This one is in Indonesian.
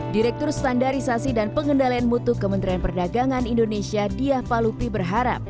direktur standarisasi dan pengendalian mutu kementerian perdagangan indonesia diah palupi berharap